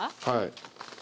はい。